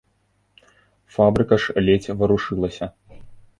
Фабрыка ж ледзь варушылася.